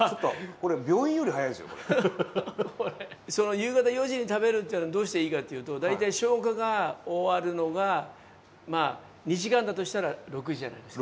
夕方４時に食べるっていうのはどうしていいかっていうと大体消化が終わるのがまあ２時間だとしたら６時じゃないですか。